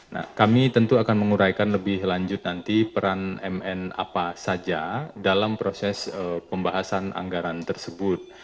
nah kami tentu akan menguraikan lebih lanjut nanti peran mn apa saja dalam proses pembahasan anggaran tersebut